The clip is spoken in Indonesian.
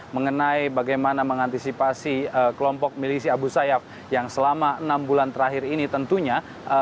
mengenai bagaimana mengantisipasi kelompok milisi abu sayyaf yang selama enam bulan terakhir ini tentunya